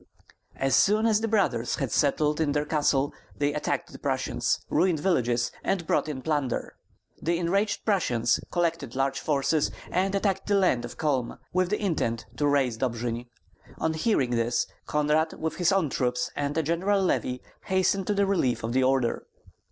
As soon as the Brothers had settled in their castle, they attacked the Prussians, ruined villages, and brought in plunder. The enraged Prussians collected large forces, and attacked the land of Culm, with the intent to raze Dobjin. On hearing this, Konrad with his own troops and a general levy hastened to the relief of the order.